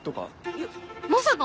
いやまさか！